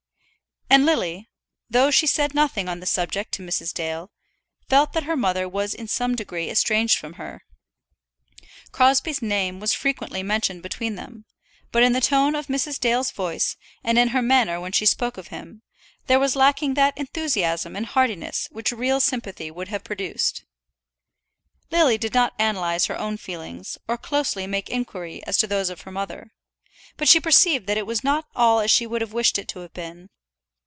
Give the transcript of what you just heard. And Lily, though she said nothing on the subject to Mrs. Dale, felt that her mother was in some degree estranged from her. Crosbie's name was frequently mentioned between them, but in the tone of Mrs. Dale's voice, and in her manner when she spoke of him, there was lacking that enthusiasm and heartiness which real sympathy would have produced. Lily did not analyse her own feelings, or closely make inquiry as to those of her mother, but she perceived that it was not all as she would have wished it to have been.